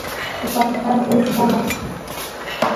Su capital es Volos.